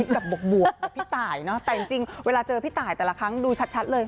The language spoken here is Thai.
แบบบวกกับพี่ตายเนอะแต่จริงเวลาเจอพี่ตายแต่ละครั้งดูชัดเลย